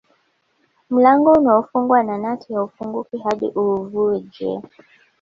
Mlango unaofungwa na nati haufunguki hadi uuvunje